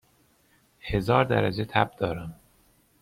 هزار درجه تب دارم